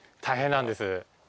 大変なんです。